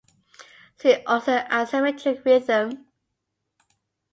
See also Asymmetric rhythm.